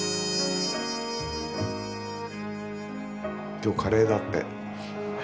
今日カレーだって。